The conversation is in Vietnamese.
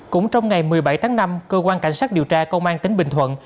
cũng trong ngày một mươi bảy tháng năm công an cảnh sát điều tra công an tính bình thuận